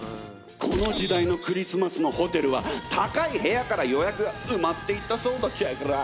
この時代のクリスマスのホテルは高い部屋から予約が埋まっていったそうだチェケラ。